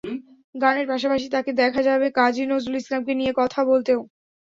গানের পাশাপাশি তাঁকে দেখা যাবে কাজী নজরুল ইসলামকে নিয়ে কথা বলতেও।